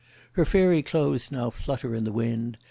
Her fairy clothes now flutter in the wind!